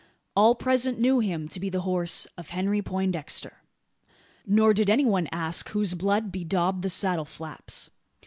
All present knew him to be the horse of Henry Poindexter. Nor did any one ask whose blood bedaubed the saddle flaps.